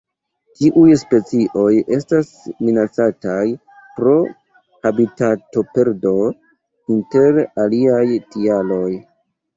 Tiuj specioj estas minacataj pro habitatoperdo, inter aliaj tialoj.